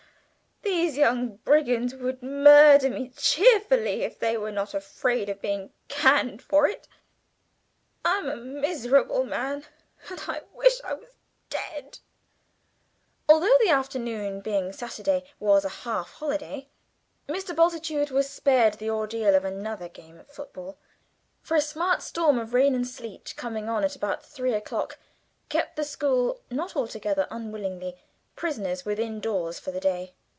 These young brigands would murder me cheerfully, if they were not afraid of being caned for it. I'm a miserable man, and I wish I was dead!" Although that afternoon, being Saturday, was a half holiday, Mr. Bultitude was spared the ordeal of another game at football; for a smart storm of rain and sleet coming on about three o'clock kept the school not altogether unwilling prisoners within doors for the day.